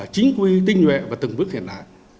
chính quy tinh nhuệ và từng bước hiện đại